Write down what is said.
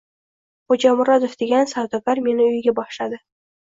Xo‘ja Murodov degan savdogar meni uyiga boshladi.